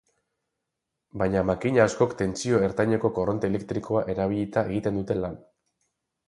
Baina makina askok tentsio ertaineko korronte elektrikoa erabilita egiten dute lan.